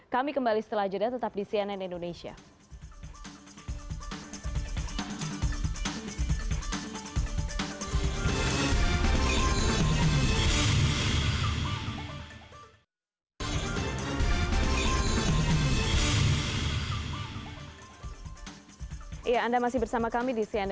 kami kembali setelah jeda tetap di cnn indonesia